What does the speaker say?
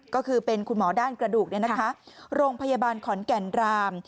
ก็คือเป็นคุณหมอด้านกระดูกโรงพยาบาลขอนแก่นราม